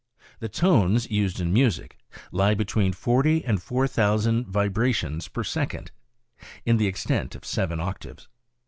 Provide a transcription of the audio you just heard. The tones used in music lie between 40 and 4,000 vibrations per second in the extent of seven octaves.